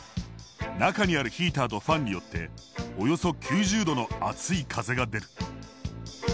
中にあるヒーターとファンによっておよそ９０度の熱い風が出る。